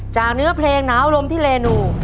เนื้อเพลงหนาวลมที่เรนู